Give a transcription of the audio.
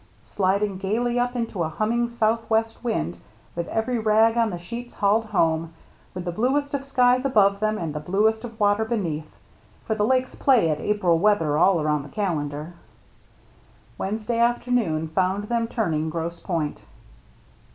Sliding gayly up into a humming southwest wind, with every rag up and the sheets hauled home, with the bluest of skies above them and the bluest of water beneath (for the Lakes play at April weather all around the calendar), Wednesday afternoon found them turning Grosse Pointe.